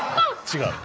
違う？